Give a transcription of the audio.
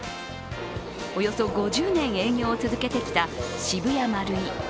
およそ５０年、営業を続けてきた渋谷マルイ。